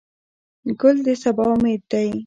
ګل د سبا امید دی.